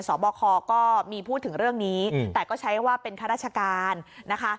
สอบคอก็มีพูดถึงเรื่องนี้แต่ก็ใช้ว่าเป็นข้าราชการนะคะ